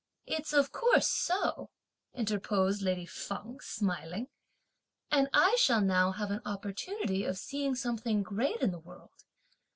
"It's of course so!" interposed lady Feng smiling, "and I shall now have an opportunity of seeing something great of the world.